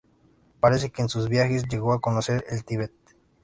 Parece que en sus viajes llegó a conocer el Tíbet.